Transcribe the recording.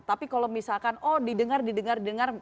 tapi kalau misalkan oh didengar didengar dengar